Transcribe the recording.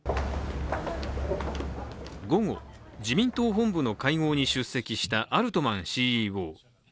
午後、自民党本部の会合に出席したアルトマンＣＥＯ。